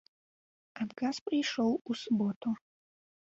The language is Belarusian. Адказ прыйшоў у суботу.